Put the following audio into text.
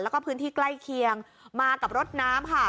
แล้วก็พื้นที่ใกล้เคียงมากับรถน้ำค่ะ